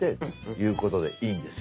いうことでいいんですよね？